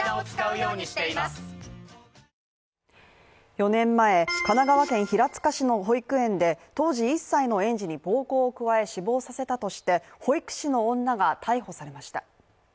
４年前神奈川県平塚市の保育園で当時１歳の園児に暴行を加え死亡させたとして、保育士の女が逮捕されました。